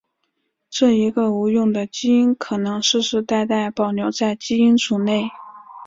这一个无用的基因可能世世代代保留在基因组内。